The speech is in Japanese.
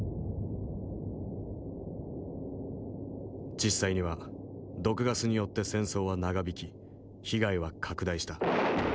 実際には毒ガスによって戦争は長引き被害は拡大した。